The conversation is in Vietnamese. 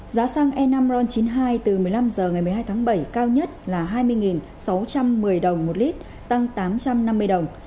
giá xăng e năm ron chín mươi hai từ một mươi năm h ngày một mươi hai tháng bảy cao nhất là hai mươi sáu trăm một mươi đồng một lít tăng tám trăm năm mươi đồng